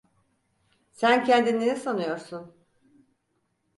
Sen kendini ne sanıyorsun?